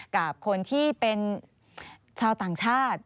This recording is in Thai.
กับคนที่เป็นชาวต่างชาติ